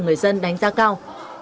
người dân đánh giá cao